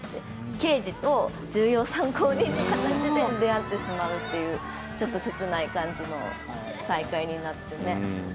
刑事と重要参考人という形で出会ってしまうという、ちょっと切ない感じの再会になってしまって。